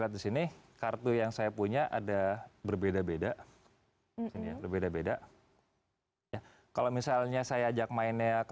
lihat di sini kartu yang saya punya ada berbeda beda ini yang berbeda beda kalau misalnya saya ajak mainnya kamu sudah kecil ya